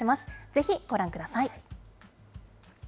ぜひご覧ください。